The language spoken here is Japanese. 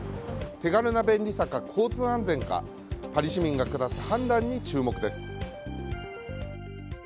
手軽な便利さか交通安全かパリ市民が下す判断に注目です。